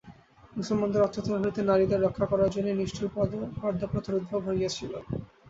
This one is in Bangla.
মুসলমানদের অত্যাচার হইতে নারীদের রক্ষা করার জন্যই নিষ্ঠুর পর্দাপ্রথার উদ্ভব হইয়াছিল।